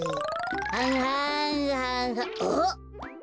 はんはんはんあっ！